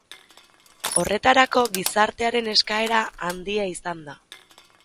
Horretarako gizartearen eskaera handia izan da.